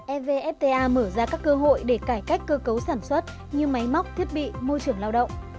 evfta mở ra các cơ hội để cải cách cơ cấu sản xuất như máy móc thiết bị môi trường lao động